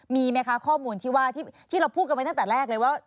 มีไหมคะข้อมูลที่ว่าที่เราพูดกันไปตั้งแต่แรกเลยว่า